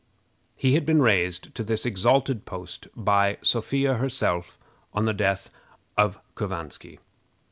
He had been raised to this exalted post by Sophia herself on the death of Couvansky.